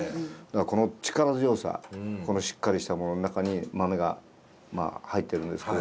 この力強さこのしっかりしたものの中に豆が入ってるんですけどね。